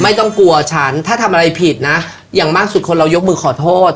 ไม่ต้องกลัวฉันถ้าทำอะไรผิดนะอย่างมากสุดคนเรายกมือขอโทษ